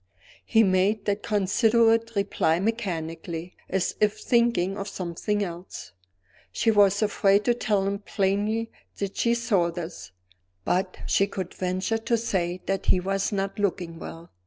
He made that considerate reply mechanically, as if thinking of something else. She was afraid to tell him plainly that she saw this; but she could venture to say that he was not looking well.